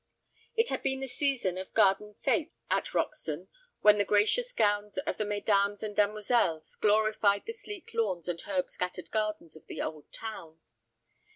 It had been the season of garden fêtes at Roxton, when the gracious gowns of the mesdames and demoiselles glorified the sleek lawns and herb scented gardens of the old town.